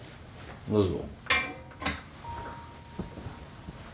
どうぞ。